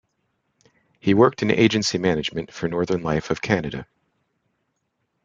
He worked in agency management for Northern Life of Canada.